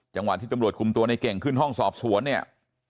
จังหวะที่ตำรวจคุมตัวในเก่งขึ้นห้องสอบสวนเนี่ย